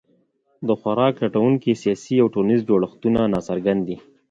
د خوراک لټونکو سیاسي او ټولنیز جوړښتونه ناڅرګند دي.